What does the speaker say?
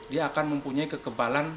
dia akan mempunyai kekebalan